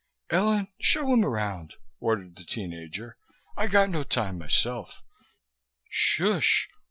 "Ellen, show him around," ordered the teen ager. "I got no time myself. Shoosh!